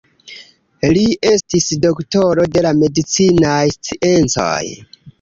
Li estis doktoro de la medicinaj sciencoj.